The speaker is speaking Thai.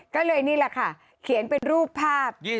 ก็เลยนี่แหละค่ะเขียนเป็นรูปภาพ